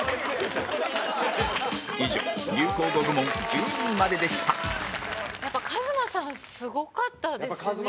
以上流行語部門１２位まででした広瀬：やっぱ、ＫＡＺＭＡさんすごかったですね。